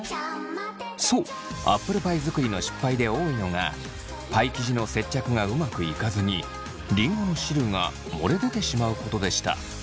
そうアップルパイ作りの失敗で多いのがパイ生地の接着がうまくいかずにりんごの汁が漏れ出てしまうことでした。